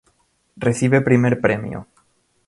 Recibe Primer Premio.